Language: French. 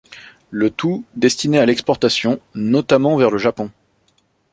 Le tout destiné à l’exportation, notamment vers le Japon.